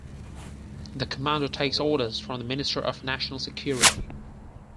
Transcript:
The commander takes orders from the Minister of National Security.